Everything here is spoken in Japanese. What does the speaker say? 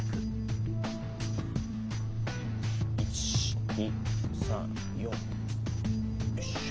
１２３４よいしょ。